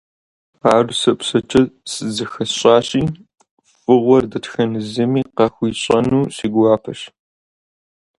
Ар сэ псэкӏэ зыхэсщӏащи, фӏыгъуэр дэтхэнэ зыми къахуищӏэну си гуапэщ.